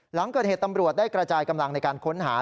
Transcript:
หลังเกิดเหตุตำรวจได้กระจายกำลังในการค้นหา